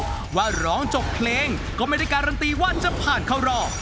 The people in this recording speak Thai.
เพราะว่าร้องจบเพลงก็ไม่ได้การันตีว่าจะผ่านเข้ารอบ